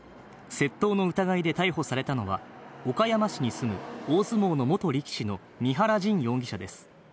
窃盗の疑いで逮捕されたのは、岡山市に住む大相撲の元力士の三原仁容疑者です。